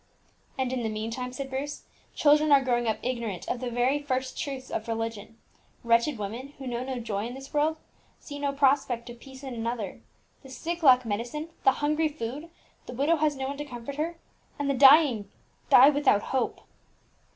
"And in the meantime," said Bruce, "children are growing up ignorant of the very first truths of religion; wretched women, who know no joy in this world, see no prospect of peace in another; the sick lack medicine, the hungry, food; the widow has no one to comfort her, and the dying die without hope!"